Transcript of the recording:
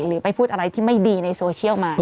หรือไปพูดอะไรที่ไม่ดีในโซเชียลมา